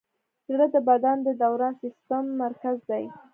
زړه د بدن د دوران سیسټم مرکز دی.